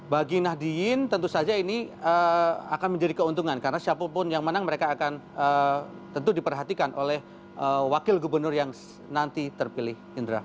bagi nahdiyin tentu saja ini akan menjadi keuntungan karena siapapun yang menang mereka akan tentu diperhatikan oleh wakil gubernur yang nanti terpilih